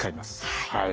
はい。